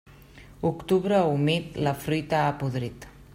Octubre humit, la fruita ha podrit.